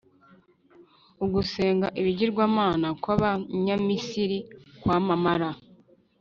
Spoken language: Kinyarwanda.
Ugusenga ibigirwamana kw’Abanyamisiri kwamamara